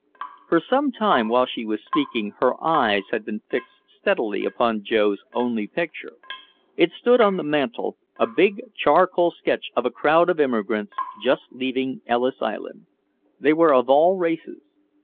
For some time while she was speaking her eyes had been fixed steadily upon Joe's only picture. It stood on the mantel, a big charcoal sketch of a crowd of immigrants just leaving Ellis Island. They were of all races.